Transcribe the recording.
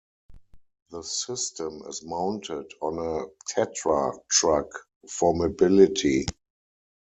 The system is mounted on a Tatra truck for mobility.